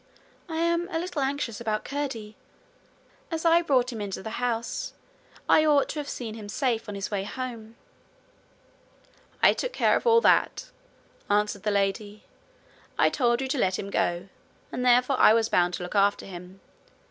'I am a little anxious about Curdie. As I brought him into the house, I ought to have seen him safe on his way home.' 'I took care of all that,' answered the lady. 'I told you to let him go, and therefore I was bound to look after him.